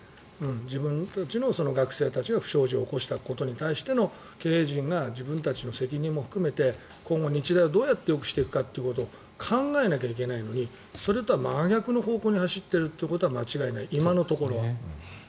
自分たちの学生たちが不祥事を起こしたことに対しての経営陣が自分たちの責任も含めて今後、日大をどうやってよくしていくかということを考えなきゃいけないのにそれとは真逆の方向に走っていることは間違いない今のところは。